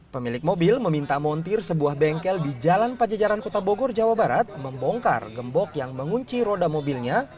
pemilik mobil meminta montir sebuah bengkel di jalan pajajaran kota bogor jawa barat membongkar gembok yang mengunci roda mobilnya